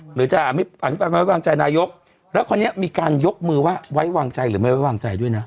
หรือจะอธิบายไว้วางใจนายกแล้วคราวนี้มีการยกมือว่าไว้วางใจหรือไม่ไว้วางใจด้วยนะ